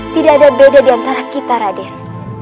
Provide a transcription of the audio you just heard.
tidak ada beda di antara kita raden